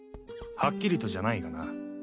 はっきりとじゃないがな。